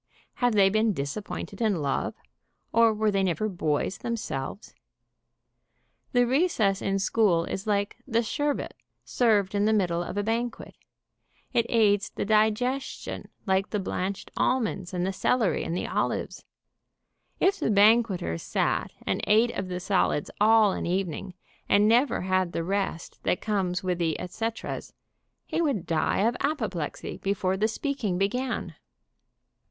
Have they been disap pointed in love, or were they never boys themselves? The recess in school is like the sherbet served in the middle of a banquet, it aids the digestion like the blanched almonds and the celery and the olives. If the banqueter sat and ate of the solids all an evening, and never had the rest that comes with the et ceteras, he would die of apoplexy before the speaking began.